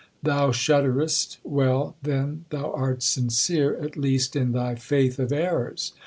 Thou shudderest—well, then, thou art sincere, at least, in thy faith of errors.